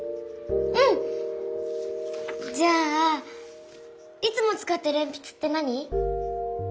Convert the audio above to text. うん！じゃあいつもつかってるえんぴつって何？